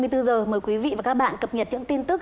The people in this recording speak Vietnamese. mời quý vị và các bạn cập nhật những tin tức